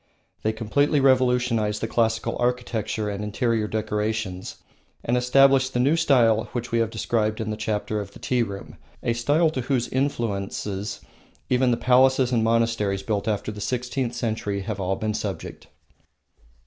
They completely revolutionised the classical architecture and interior decorations, and established the new style which we have described in the chapter of the tea room, a style to whose influence even the palaces and monasteries built after the sixteenth century have all been subject.